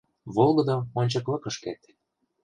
Волгыдо ончыклыкышкет...